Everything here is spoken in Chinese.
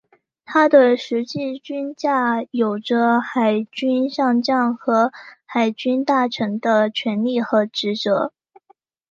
他的实际军阶有着海军上将和海军大臣的权力和职责。